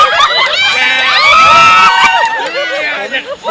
ตอนนี้ค่ะนะคะ